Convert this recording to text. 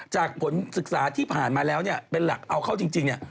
ผลศึกษาที่ผ่านมาแล้วเนี่ยเป็นหลักเอาเข้าจริงเนี่ย